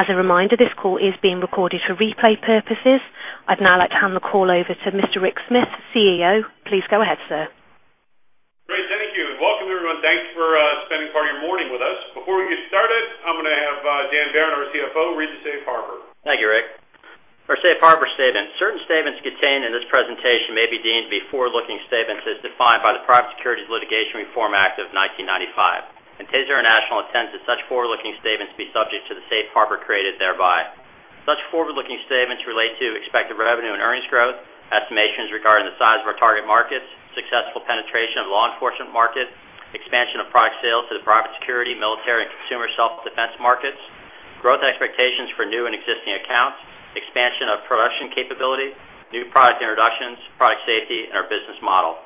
As a reminder, this call is being recorded for replay purposes. I'd now like to hand the call over to Mr. Rick Smith, CEO. Please go ahead, sir. Great, thank you. Welcome everyone. Thanks for spending part of your morning with us. Before we get started, I'm going to have Dan Barrett, our CFO, read the safe harbor. Thank you, Rick. Our safe harbor statement: Certain statements contained in this presentation may be deemed to be forward-looking statements as defined by the Private Securities Litigation Reform Act of 1995. Axon Enterprise intends that such forward-looking statements be subject to the safe harbor created thereby. Such forward-looking statements relate to expected revenue and earnings growth, estimations regarding the size of our target markets, successful penetration of the law enforcement market, expansion of product sales to the private security, military, and consumer self-defense markets, growth expectations for new and existing accounts, expansion of production capability, new product introductions, product safety, and our business model.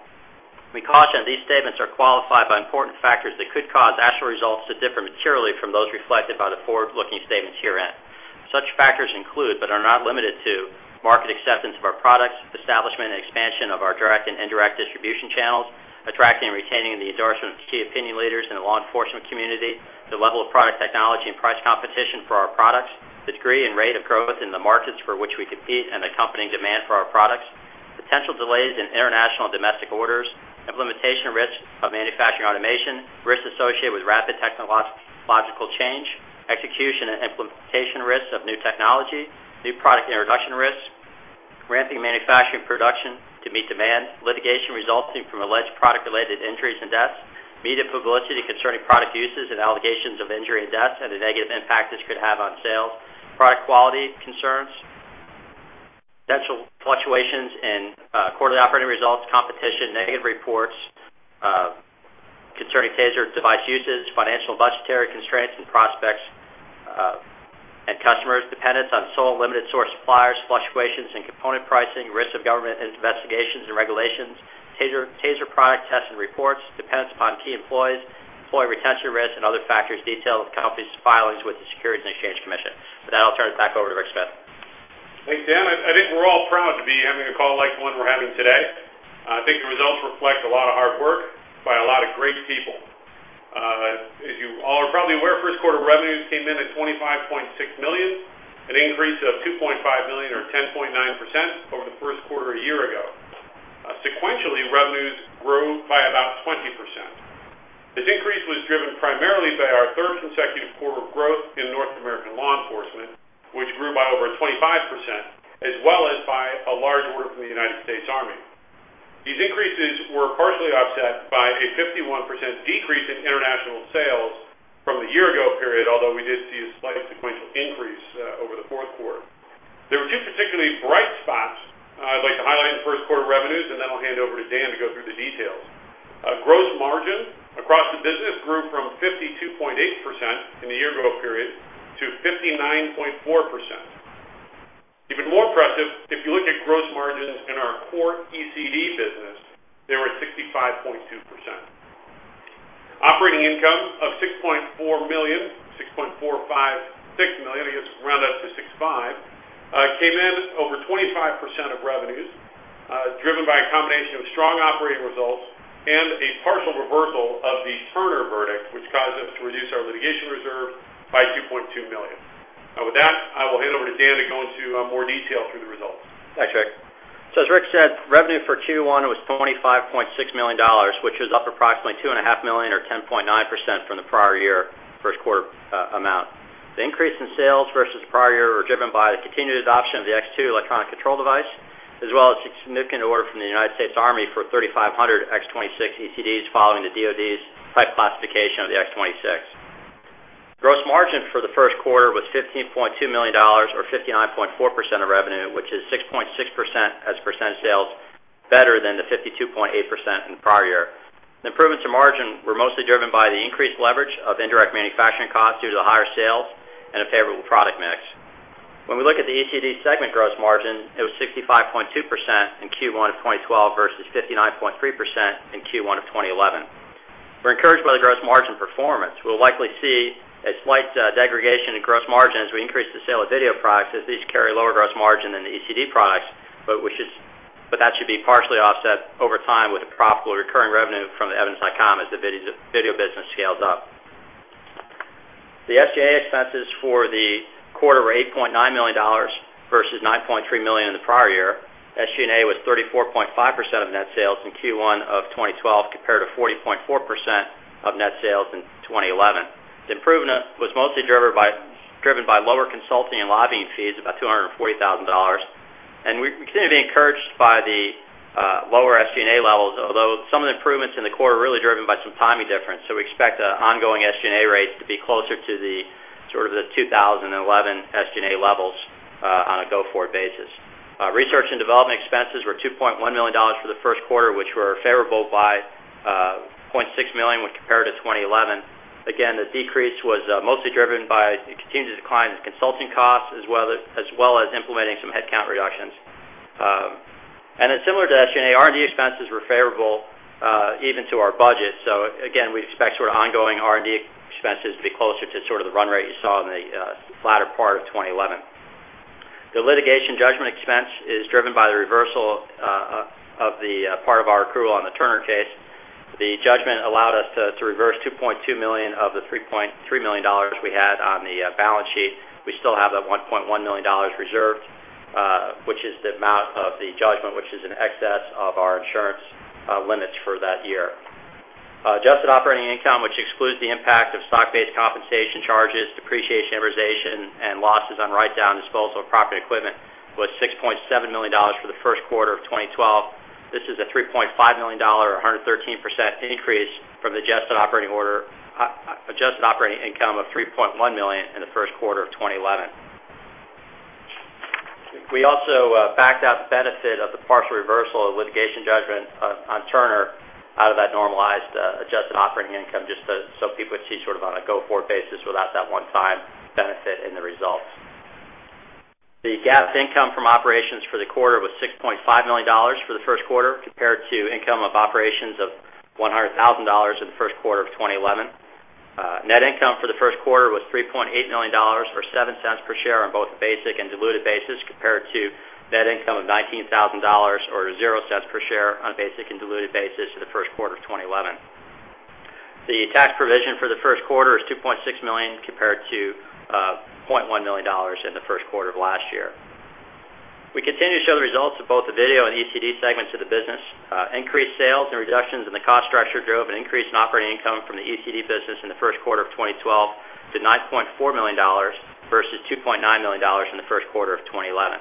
We caution that these statements are qualified by important factors that could cause actual results to differ materially from those reflected by the forward-looking statements herein. Such factors include, but are not limited to, market acceptance of our products, establishment and expansion of our direct and indirect distribution channels, attracting and retaining the endorsement of key opinion leaders in the law enforcement community, the level of product technology and price competition for our products, the degree and rate of growth in the markets for which we compete, and accompanying demand for our products, potential delays in international and domestic orders, implementation risk of manufacturing automation, risks associated with rapid technological change, execution and implementation risks of new technology, new product introduction risks, ramping manufacturing production to meet demand, litigation resulting from alleged product-related injuries and deaths, media publicity concerning product uses and allegations of injury and deaths, and the negative impact this could have on sales, product quality concerns, potential fluctuations in quarterly operating results, competition, negative reports concerning TASER device uses, financial and budgetary constraints and prospects and customers, dependence on sole limited source suppliers, fluctuations in component pricing, risk of government investigations and regulations, TASER product tests and reports, dependence upon key employees, employee retention risk, and other factors detailed in the company's filings with the Securities and Exchange Commission. With that, I'll turn it back over to Rick Smith. Thanks, Dan. I think we're all proud to be having a call like the one we're having today. I think the results reflect a lot of hard work by a lot of great people. As you all are probably aware, first quarter revenues came in at $25.6 million, an increase of $2.5 million or 10.9% over the first quarter a year ago. Sequentially, revenues grew by about 20%. This increase was driven primarily by our third consecutive quarter of growth in North American law enforcement, which grew by over 25%, as well as by a large order from the U.S. Army. These increases were partially offset by a 51% decrease in international sales from the year-ago period, although we did see a slight sequential increase over the fourth quarter. There were two particularly bright spots I'd like to highlight in the first quarter revenues, and then I'll hand over to Dan to go through the details. Gross margin across the business grew from 52.8% in the year-ago period to 59.4%. Even more impressive, if you look at gross margins in our core ECD segment, they were at 65.2%. Operating income of $6.4 million, $6.456 million, I guess round that to $6.5 million, came in over 25% of revenues, driven by a combination of strong operating results and a partial reversal of the Turner verdict, which caused us to reduce our litigation reserve by $2.2 million. Now, with that, I will hand over to Dan to go into more detail through the results. Thanks, Rick. As Rick said, revenue for Q1 was $25.6 million, which is up approximately $2.5 million or 10.9% from the prior year first quarter amount. The increase in sales versus prior year were driven by the continued adoption of the X2 electronic control device, as well as a significant order from the U.S. Army for 3,500 X26 ECD following the DoD's type classification of the X26. Gross margin for the first quarter was $15.2 million or 59.4% of revenue, which is 6.6% as percent of sales, better than the 52.8% in the prior year. The improvements in margin were mostly driven by the increased leverage of indirect manufacturing costs due to the higher sales and a favorable product mix. When we look at the ECD segment gross margin, it was 65.2% in Q1 of 2012 versus 59.3% in Q1 of 2011. We're encouraged by the gross margin performance. We'll likely see a slight degradation in gross margin as we increase the sale of video products, as these carry a lower gross margin than the ECD products, but that should be partially offset over time with the profitable recurring revenue from Evidence.com as the video business scales up. The SG&A expenses for the quarter were $8.9 million versus $9.3 million in the prior year. SG&A was 34.5% of net sales in Q1 of 2012, compared to 40.4% of net sales in 2011. The improvement was mostly driven by lower consulting and lobbying fees, about $240,000. We continue to be encouraged by the lower SG&A levels, although some of the improvements in the quarter are really driven by some timing difference. We expect the ongoing SG&A rates to be closer to the sort of the 2011 SG&A levels on a go-forward basis. Research and development expenses were $2.1 million for the first quarter, which were favorable by $0.6 million when compared to 2011. The decrease was mostly driven by a continued decline in consulting costs, as well as implementing some headcount reductions. It's similar to SG&A. R&D expenses were favorable even to our budget. We expect ongoing R&D expenses to be closer to the run rate you saw in the flatter part of 2011. The litigation judgment expense is driven by the reversal of the part of our accrual on the Turner case. The judgment allowed us to reverse $2.2 million of the $3.3 million we had on the balance sheet. We still have that $1.1 million reserved, which is the amount of the judgment, which is in excess of our insurance limits for that year. Adjusted operating income, which excludes the impact of stock-based compensation charges, depreciation, amortization, and losses on write-down disposal of property equipment, was $6.7 million for the first quarter of 2012. This is a $3.5 million, or 113%, increase from the adjusted operating income of $3.1 million in the first quarter of 2011. We also backed out the benefit of the partial reversal of litigation judgment on Turner out of that normalized adjusted operating income, just so people would see sort of on a go-forward basis without that one-time benefit in the results. The GAAP income from operations for the quarter was $6.5 million for the first quarter, compared to income from operations of $100,000 in the first quarter of 2011. Net income for the first quarter was $3.8 million or $0.07 per share on both a basic and diluted basis, compared to net income of $19,000 or $0.00 per share on a basic and diluted basis in the first quarter of 2011. The tax provision for the first quarter is $2.6 million, compared to $0.1 million in the first quarter of last year. We continue to show the results of both the video and ECD segments of the business. Increased sales and reductions in the cost structure drove an increase in operating income from the ECD business in the first quarter of 2012 to $9.4 million versus $2.9 million in the first quarter of 2011.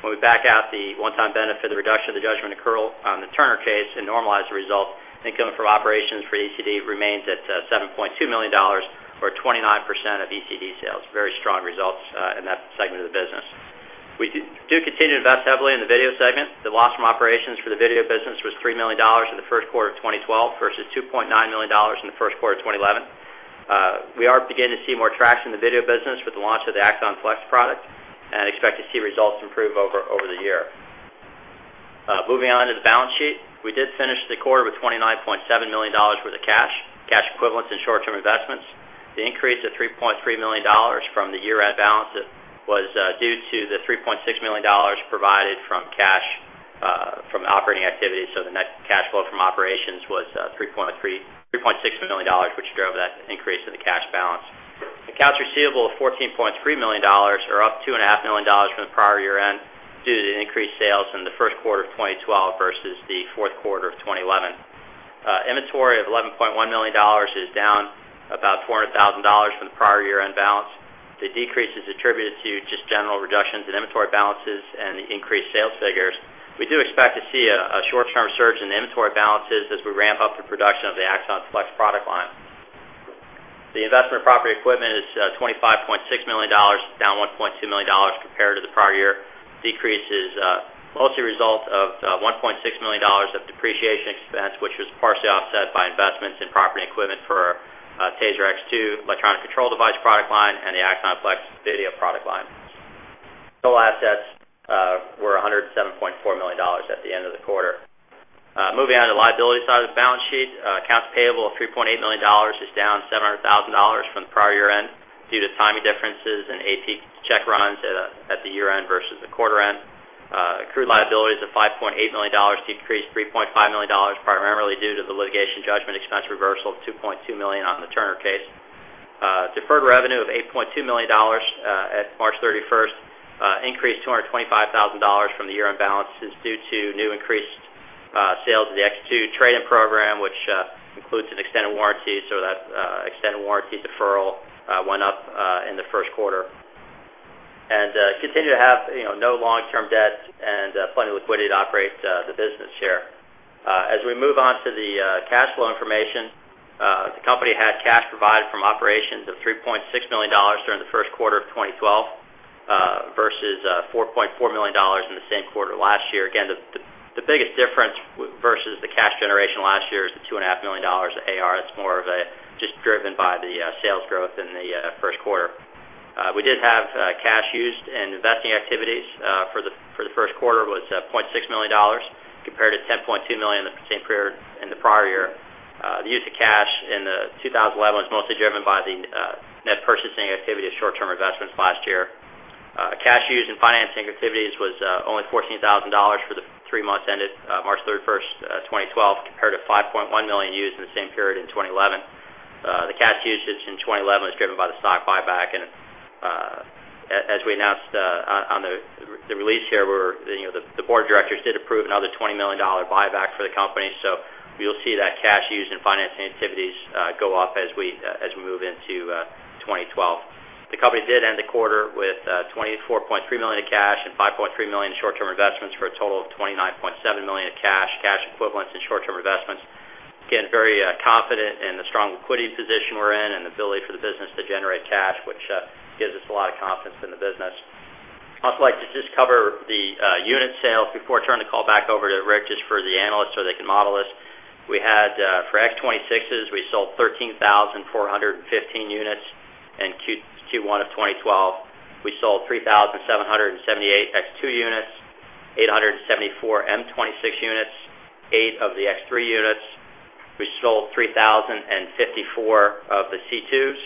When we back out the one-time benefit, the reduction of the judgment accrual on the Turner case and normalize the result, income from operations for ECD remains at $7.2 million, or 29% of ECD sales. Very strong results in that segment of the business. We do continue to invest heavily in the video segment. The loss from operations for the video business was $3 million in the first quarter of 2012 versus $2.9 million in the first quarter of 2011. We are beginning to see more traction in the video business with the launch of the Axon Flex product and expect to see results improve over the year. Moving on to the balance sheet, we did finish the quarter with $29.7 million worth of cash, cash equivalents and short-term investments. The increase of $3.3 million from the year-end balance was due to the $3.6 million provided from cash from operating activities. The net cash flow from operations was $3.6 million, which drove that increase in the cash balance. Accounts receivable of $14.3 million are up $2.5 million from the prior year-end due to the increased sales in the first quarter of 2012 versus the fourth quarter of 2011. Inventory of $11.1 million is down about $400,000 from the prior year-end balance. The decrease is attributed to just general reductions in inventory balances and the increased sales figures. We do expect to see a short-term surge in the inventory balances as we ramp up the production of the Axon Flex product line. The investment of property equipment is $25.6 million, down $1.2 million compared to the prior year. The decrease is mostly a result of $1.6 million of depreciation expense, which was partially offset by investments in property equipment for TASER X2 electronic control device product line and the Axon Flex video product line. Total assets were $107.4 million at the end of the quarter. Moving on to the liability side of the balance sheet, accounts payable of $3.8 million is down $700,000 from the prior year-end due to timing differences and AP check runs at the year-end versus the quarter-end. Accrued liabilities of $5.8 million decreased $3.5 million primarily due to the litigation judgment expense reversal of $2.2 million on the Turner case. Deferred revenue of $8.2 million at March 31st increased $225,000 from the year-end balances due to new increased sales of the X2 trade-in program, which includes an extended warranty. That extended warranty deferral went up in the first quarter. We continue to have no long-term debt and plenty of liquidity to operate the business here. As we move on to the cash flow information, the company had cash provided from operations of $3.6 million during the first quarter of 2012 versus $4.4 million in the same quarter last year. The biggest difference versus the cash generation last year is the $2.5 million of AR. It's more of just driven by the sales growth in the first quarter. We did have cash used in investing activities for the first quarter was $0.6 million compared to $10.2 million in the same period in the prior year. The use of cash in 2011 was mostly driven by the net purchasing activity of short-term investments last year. Cash used in financing activities was only $14,000 for the three months ended March 31st, 2012, compared to $5.1 million used in the same period in 2011. The cash usage in 2011 was driven by the stock buyback. As we announced on the release here, the Board of Directors did approve another $20 million buyback for the company. You'll see that cash used in financing activities go up as we move into 2012. The company did end the quarter with $24.3 million in cash and $5.3 million in short-term investments for a total of $29.7 million in cash, cash equivalents, and short-term investments. Again, very confident in the strong liquidity position we're in and the ability for the business to generate cash, which gives us a lot of confidence in the business. I'd also like to just cover the unit sales before I turn the call back over to Rick, just for the analysts so they can model this. For X26s, we sold 13,415 units in Q1 of 2012. We sold 3,778 X2 units, 874 M26 units, 8 of the X3 units. We sold 3,054 of the C2s.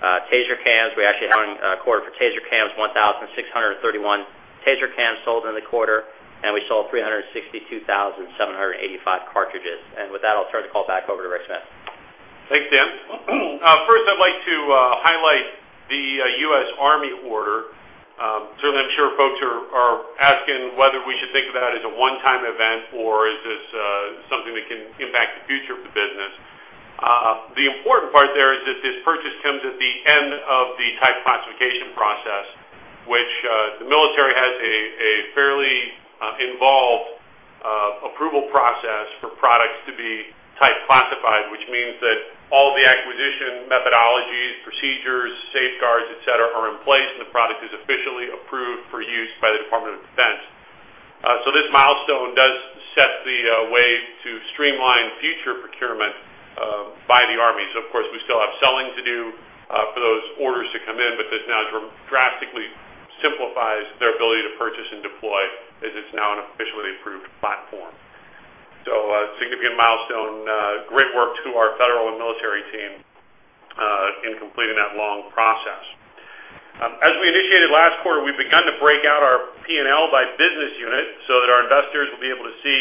TASER cans, we actually had a quarter for TASER cans, 1,631 TASER cans sold in the quarter, and we sold 362,785 cartridges. With that, I'll turn the call back over to Rick Smith. Thanks, Dan. First, I'd like to highlight the U.S. Army order. Certainly, I'm sure folks are asking whether we should think about it as a one-time event or if this is something that can impact the future of the business. The important part there is that this purchase comes at the end of the type classification process, which the military has a fairly involved approval process for products to be type classified, which means that all the acquisition methodologies, procedures, safeguards, etc., are in place and the product is officially approved for use by the Department of Defense. This milestone does set the way to streamline future procurement by the Army. Of course, we still have selling to do for those orders to come in, but that now drastically simplifies their ability to purchase and deploy as it's now an officially approved platform. A significant milestone. Great work to our federal and military team in completing that long process. As we initiated last quarter, we've begun to break out our P&L by business unit so that our investors will be able to see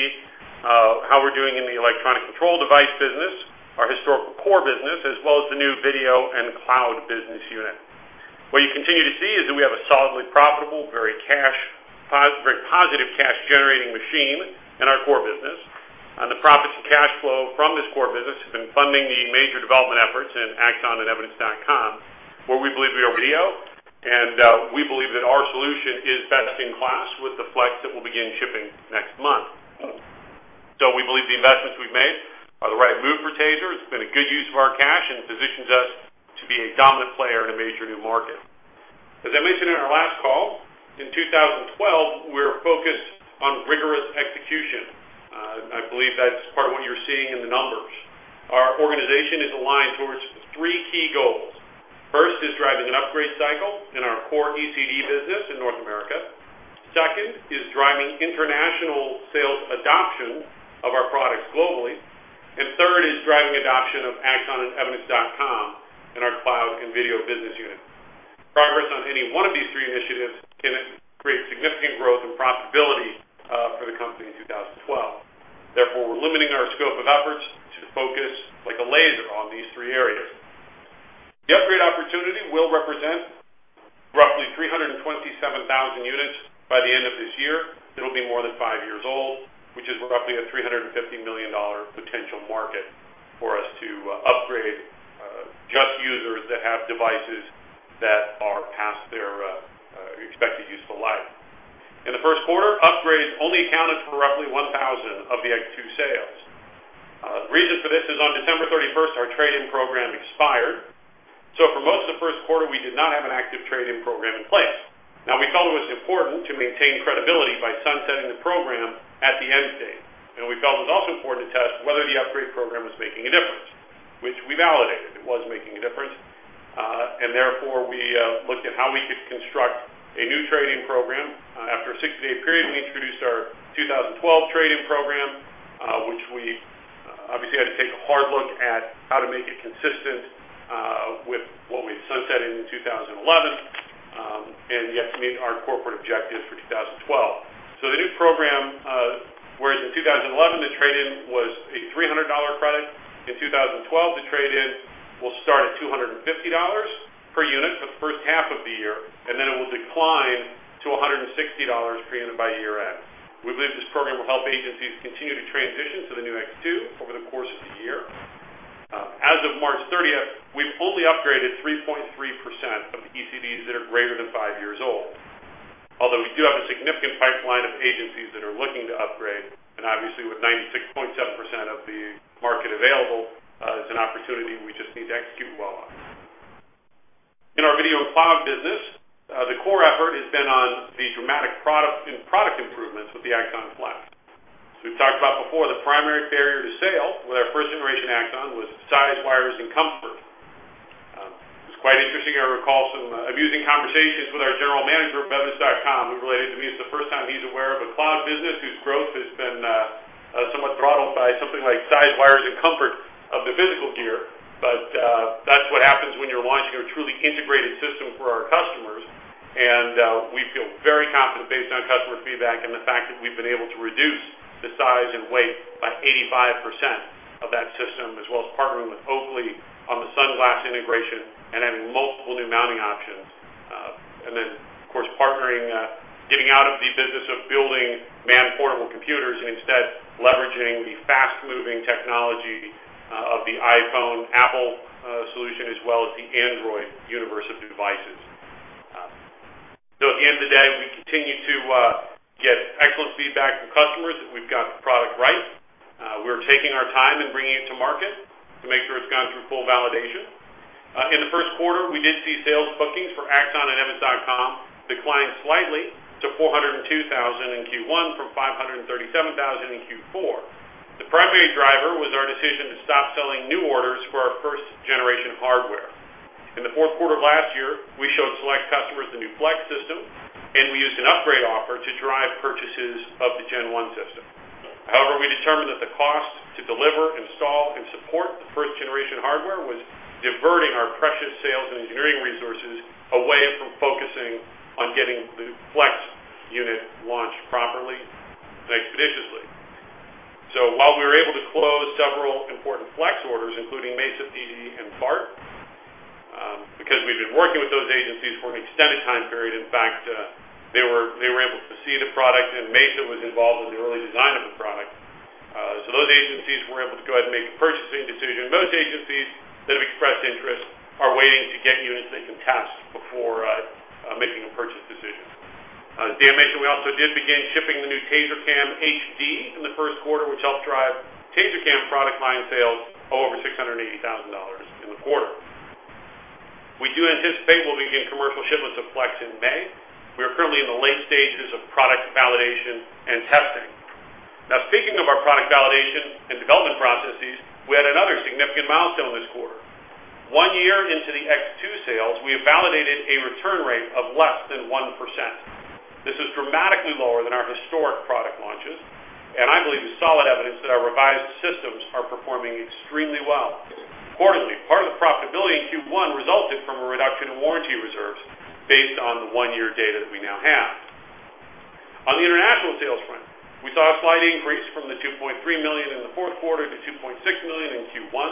how we're doing in the electronic control device business, our historical core business, as well as the new video and cloud business unit. What you continue to see is that we have a solidly profitable, very positive cash-generating machine in our core business. The profits and cash flow from this core business have been funding the major development efforts in Axon and Evidence.com, where we believe we are mediocre, and we believe that our solution is best in class with the Flex that we'll begin shipping next month. We believe the investments we've made are the right move for TASER. It's been a good use of our cash and positions us to be a dominant player in a major new market. As I mentioned in our last call, in 2012, we're focused on rigorous execution. I believe that's part of what you're seeing in the numbers. Our organization is aligned towards three key goals. First is driving an upgrade cycle in our core ECD business in North America. Second is driving international sales adoption of our products globally. Third is driving adoption of Axon and Evidence.com in our cloud and video business unit. Progress on any one of these three initiatives can create significant growth and profitability for the company in 2012. Therefore, we're limiting our scope of efforts to focus like a laser on these three areas. The upgrade opportunity will represent roughly 327,000 units by the end of this year. It'll be more than five years old, which is roughly a $350 million potential market for us to upgrade just users that have devices that are past their expected useful life. In the first quarter, upgrades only accounted for roughly 1,000 of the X2 sales. The reason for this is on December 31, our trade-in program expired. For most of the first quarter, we did not have an active trade-in program in place. We felt it was important to maintain credibility by sunsetting the program at the end state. We felt it was also important to test whether the upgrade program was making a difference, which we validated. It was making a difference. Therefore, we looked at how we could construct a new trade-in program. After a 60-day period, we introduced our 2012 trade-in program, which we obviously had to take a hard look at how to make it consistent with what we sunsetted in 2011 and yet to meet our corporate objectives for 2012. The new program, whereas in 2011, the trade-in was a $300 credit, in 2012, the trade-in will start at $250 per unit for the first half of the year, and then it will decline to $160 per unit by year-end. We believe this program will help agencies continue to transition to the new X2 over the course of the year. As of March 30, we've only upgraded 3.3% of the ECDs that are greater than five years old. Although we do have a significant pipeline of agencies that are looking to upgrade, and obviously with 96.7% of the market available, it's an opportunity we just need to execute well on. In our video and cloud business, the core effort has been on the dramatic product improvements with the Axon Flex. We've talked about before the primary barrier to sale with our first-generation Axon was size, wires, and comfort. It's quite interesting. I recall some amusing conversations with our General Manager of Evidence.com who related to me it's the first time he's aware of a cloud business whose growth has been somewhat throttled by something like size, wires, and comfort of the physical gear. That's what happens when you're launching a truly integrated system for our customers. We feel very confident based on customer feedback and the fact that we've been able to reduce the size and weight by 85% of that system, as well as partnering with Oakley on the sunglass integration and having multiple new mounting options. Of course, partnering, getting out of the business of building man-portable computers and instead leveraging the fast-moving technology of the iPhone, Apple solution, as well as the Android universe of devices. At the end of the day, we continue to get excellent feedback from customers that we've got the product right. We're taking our time and bringing it to market to make sure it's gone through full validation. In the first quarter, we did see sales bookings for Axon and Evidence.com decline slightly to $402,000 in Q1 from $537,000 in Q4. The primary driver was our decision to stop selling new orders for our first-generation hardware. In the fourth quarter of last year, we showed select customers the new Flex system, and we used an upgrade offer to drive purchases of the Gen 1 system. However, we determined that the cost to deliver, install, and support the first-generation hardware was diverting our precious sales and engineering resources away from focusing on getting the Flex unit launched properly and expeditiously. While we were able to close several important Flex orders, including Mesa, DD, and FART, because we've been working with those agencies for an extended time period, in fact, they were able to see the product, and Mesa was involved in the early design of the product. Those agencies were able to go ahead and make purchasing decisions. Most agencies that have expressed interest are waiting to get units they can test before making a purchase decision. As Dan mentioned, we also did begin shipping the new TASER Cam HD in the first quarter, which helped drive TASER Cam product line sales over $680,000 in the quarter. We do anticipate we'll begin commercial shipments of Flex in May. We are currently in the late stages of product validation and testing. Speaking of our product validation and development processes, we had another significant milestone this quarter. One year into the X2 sales, we have validated a return rate of less than 1%. This is dramatically lower than our historic product launches, and I believe it's solid evidence that our revised systems are performing extremely well. Accordingly, part of the profitability in Q1 resulted from a reduction in warranty reserves based on the one-year data that we now have. On the international sales front, we saw a slight increase from the $2.3 million in the fourth quarter to $2.6 million in Q1.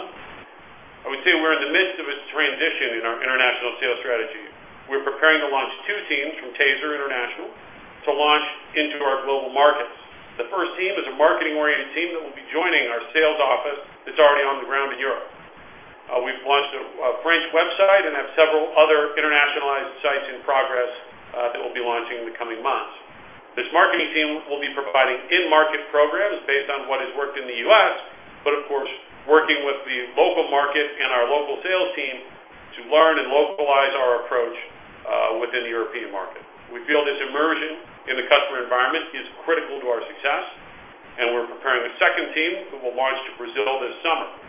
I would say we're in the midst of a transition in our international sales strategy. We're preparing to launch two teams from TASER International to launch into our global markets. The first team is a marketing-oriented team that will be joining our sales office that's already on the ground in Europe. We've launched a French website and have several other internationalized sites in progress that we'll be launching in the coming months. This marketing team will be providing in-market programs based on what has worked in the U.S., but of course, working with the local market and our local sales team to learn and localize our approach within the European market. We feel this immersion in the customer environment is critical to our success, and we're preparing a second team who will launch to Brazil this summer.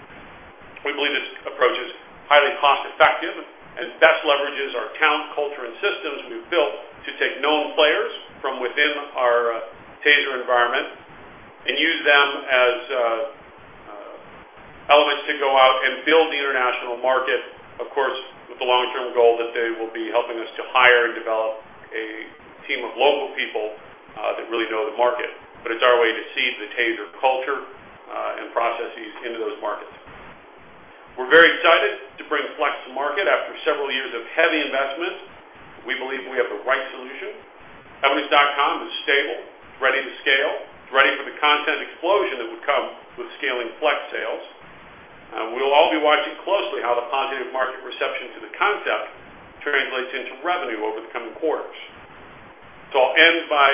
We believe this approach is highly cost-effective as it best leverages our talent, culture, and systems we've built to take known players from within our TASER environment and use them as elements to go out and build the international market, of course, with the long-term goal that they will be helping us to hire and develop a team of local people that really know the market. It's our way to seed the TASER culture and processes into those markets. We're very excited to bring Flex to market after several years of heavy investment. We believe we have the right solution. Evidence.com is stable, ready to scale. It's ready for the content explosion that would come with scaling Flex sales. We'll all be watching closely how the positive market reception to the concept translates into revenue over the coming quarters. I will end by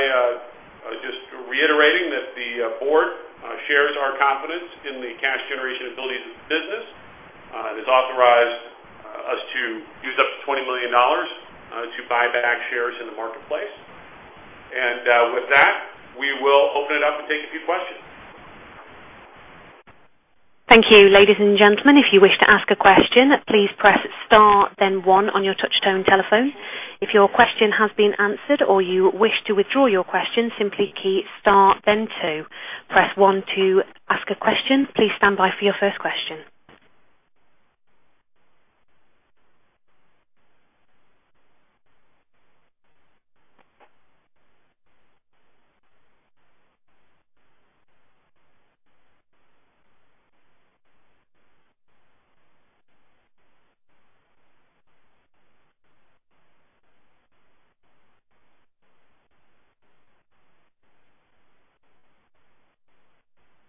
just reiterating that the board shares our confidence in the cash generation ability of the business. It has authorized us to use up to $20 million to buy back shares in the marketplace. With that, we will open it up and take a few questions. Thank you. Ladies and gentlemen, if you wish to ask a question, please press star, then one on your touch-tone telephone. If your question has been answered or you wish to withdraw your question, simply key star, then two. Press one to ask a question. Please stand by for your first question.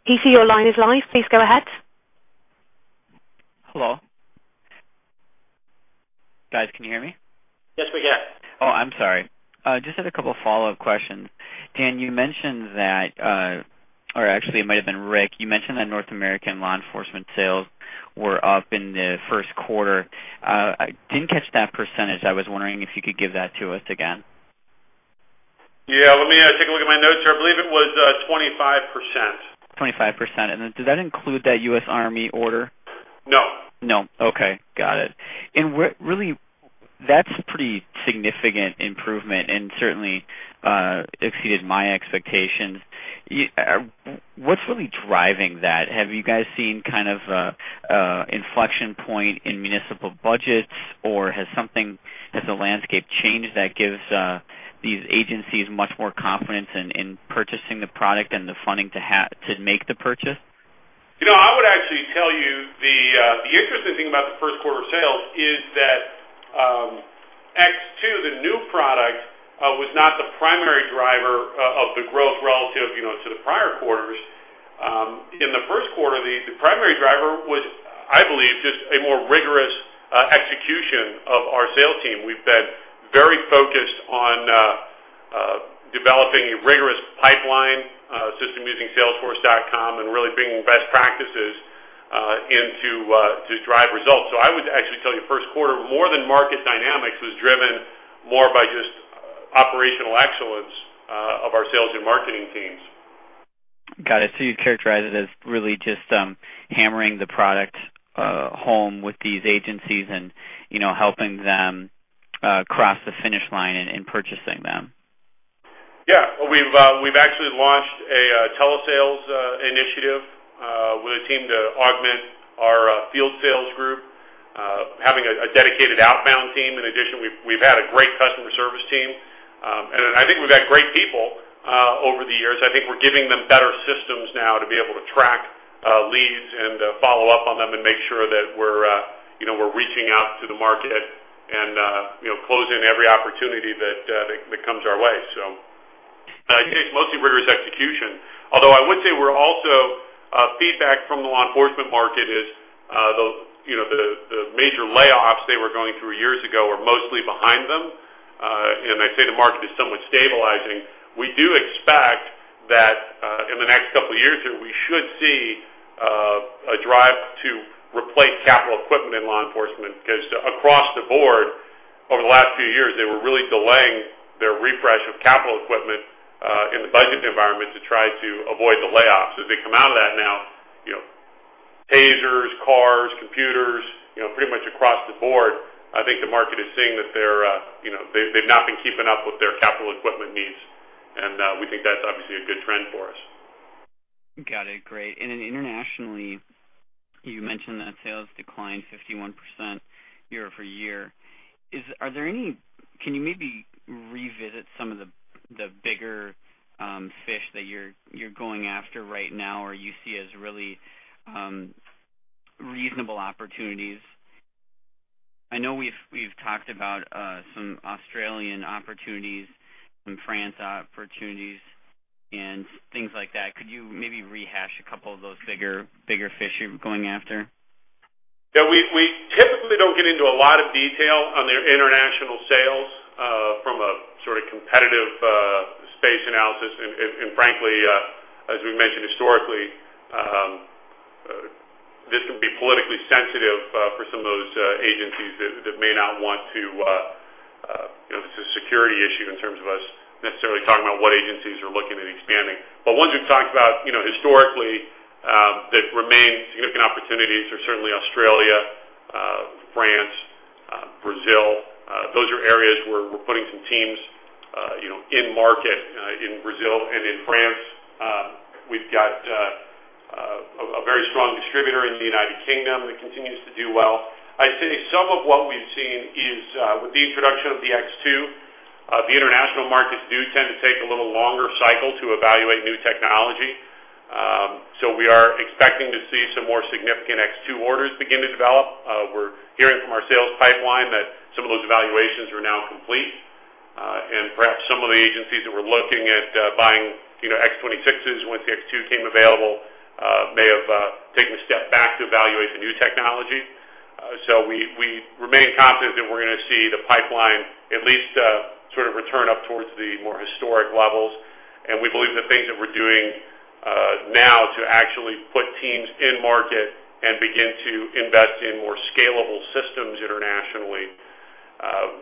EC, your line is live. Please go ahead. Hello, guys, can you hear me? Yes, we can. I'm sorry. Just had a couple of follow-up questions. Dan, you mentioned that, or actually it might have been Rick, you mentioned that North American law enforcement sales were up in the first quarter. I didn't catch that percentage. I was wondering if you could give that to us again. Let me take a look at my notes here. I believe it was 25%. 25%. Does that include that U.S. Army order? No. Okay. Got it. That's a pretty significant improvement and certainly exceeded my expectations. What's really driving that? Have you guys seen kind of an inflection point in municipal budgets, or has something, has the landscape changed that gives these agencies much more confidence in purchasing the product and the funding to make the purchase? I would actually tell you the interesting thing about the first quarter sales is that X2, the new product, was not the primary driver of the growth relative to the prior quarters. In the first quarter, the primary driver was, I believe, just a more rigorous execution of our sales team. We've been very focused on developing a rigorous pipeline system using Salesforce.com and really bringing best practices in to drive results. I would actually tell you the first quarter, more than market dynamics, was driven more by just operational excellence of our sales and marketing teams. Got it. You'd characterize it as really just hammering the product home with these agencies and helping them cross the finish line in purchasing them. Yeah. We've actually launched a telesales initiative with a team to augment our field sales group, having a dedicated outbound team. In addition, we've had a great customer service team. I think we've had great people over the years. I think we're giving them better systems now to be able to track leads and follow up on them and make sure that we're reaching out to the market and closing every opportunity that comes our way. I'd say it's mostly rigorous execution. I would say also, feedback from the law enforcement market is the major layoffs they were going through years ago are mostly behind them. I'd say the market is somewhat stabilizing. We do expect that in the next couple of years here, we should see a drive to replace capital equipment in law enforcement because across the board, over the last few years, they were really delaying their refresh of capital equipment in the budget environment to try to avoid the layoffs. As they come out of that now, tasers, cars, computers, pretty much across the board, I think the market is seeing that they've not been keeping up with their capital equipment needs. We think that's obviously a good trend for us. Got it. Great. Internationally, you mentioned that sales declined 51% year over-year. Can you maybe revisit some of the bigger fish that you're going after right now or you see as really reasonable opportunities? I know we've talked about some Australian opportunities, some France opportunities, and things like that. Could you maybe rehash a couple of those bigger fish you're going after? Yeah, we typically don't get into a lot of detail on their international sales from a sort of competitive space analysis. Frankly, as we mentioned historically, this can be politically sensitive for some of those agencies that may not want to, you know, it's a security issue in terms of us necessarily talking about what agencies are looking at expanding. Ones we've talked about historically that remain significant opportunities are certainly Australia, France, Brazil. Those are areas where we're putting some teams in market in Brazil and in France. We've got a very strong distributor in the United Kingdom that continues to do well. I'd say some of what we've seen is with the introduction of the X2, the international markets do tend to take a little longer cycle to evaluate new technology. We are expecting to see some more significant X2 orders begin to develop. We're hearing from our sales pipeline that some of those evaluations are now complete. Perhaps some of the agencies that were looking at buying X26 once the X2 came available may have taken a step back to evaluate the new technology. We remain confident that we're going to see the pipeline at least sort of return up towards the more historic levels. We believe the things that we're doing now to actually put teams in market and begin to invest in more scalable systems internationally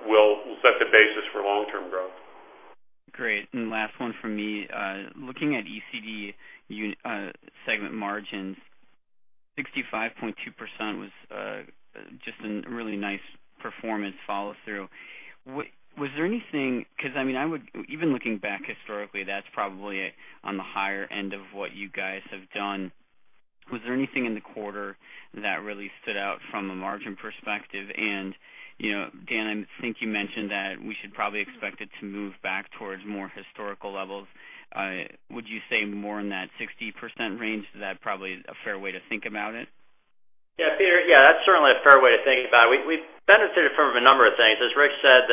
will set the basis for long-term growth. Great. Last one from me, looking at ECD segment margins, 65.2% was just a really nice performance follow-through. Was there anything, because I mean, even looking back historically, that's probably on the higher end of what you guys have done. Was there anything in the quarter that really stood out from a margin perspective? Dan, I think you mentioned that we should probably expect it to move back towards more historical levels. Would you say more in that 60% range? Is that probably a fair way to think about it? Yeah, Peter, that's certainly a fair way to think about it. We've benefited from a number of things. As Rick said,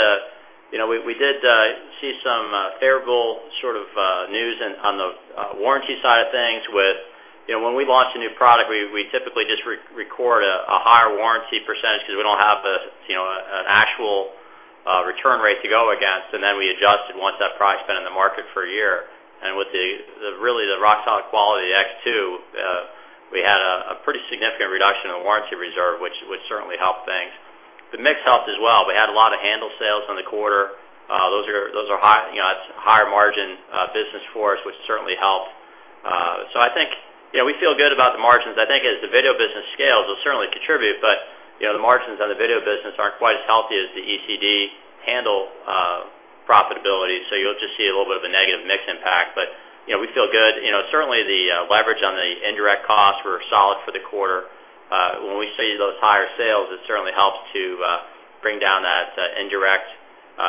we did see some favorable sort of news on the warranty side of things with, you know, when we launch a new product, we typically just record a higher warranty % because we don't have an actual return rate to go against. We adjust once that product's been in the market for a year. With the really rock-solid quality of the X2, we had a pretty significant reduction in the warranty reserve, which certainly helped things. The mix helped as well. We had a lot of handle sales in the quarter. Those are high, you know, that's higher margin business for us, which certainly helped. I think we feel good about the margins. I think as the video business scales, they'll certainly contribute, but the margins on the video business aren't quite as healthy as the ECD handle profitability. You'll just see a little bit of a negative mix impact. We feel good. Certainly, the leverage on the indirect costs were solid for the quarter. When we see those higher sales, it certainly helps to bring down that indirect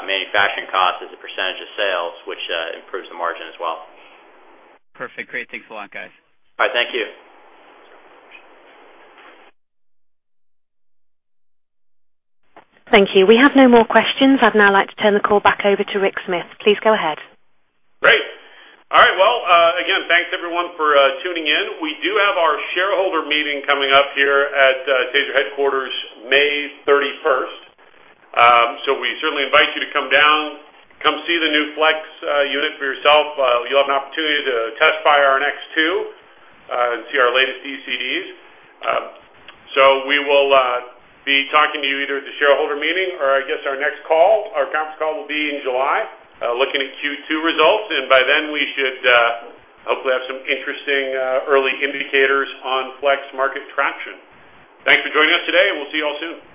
manufacturing cost as a percentage of sales, which improves the margin as well. Perfect. Great. Thanks a lot, guys. All right, thank you. Thank you. We have no more questions. I'd now like to turn the call back over to Rick Smith. Please go ahead. Great. All right. Again, thanks everyone for tuning in. We do have our shareholder meeting coming up here at TASER headquarters May 31. We certainly invite you to come down, come see the new Flex unit for yourself. You'll have an opportunity to test-fire our next two and see our latest ECDs. We will be talking to you either at the shareholder meeting or I guess our next call. Our conference call will be in July, looking at Q2 results. By then, we should hopefully have some interesting early indicators on Flex market traction. Thanks for joining us today, and we'll see you all soon.